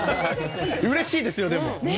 うれしいですよ、でも。